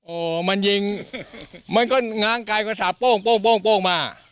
โอ้มันยิงมันก็ง้างกายกระสาปโป้งโป้งโป้งมา